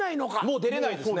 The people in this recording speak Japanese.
もう出れないですね。